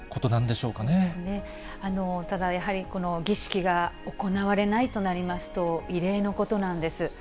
そうですね、ただやはり、この儀式が行われないとなりますと、異例のことなんです。